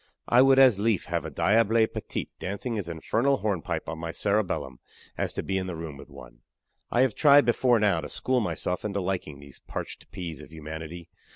I would as lief have a diable petit dancing his infernal hornpipe on my cerebellum as to be in the room with one. I have tried before now to school myself into liking these parched peas of humanity.